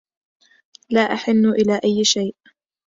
لا أَحنُّ إلى أيِّ شيءٍ